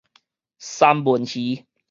三文魚